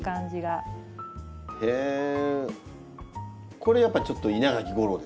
これやっぱちょっと稲垣吾郎ですね。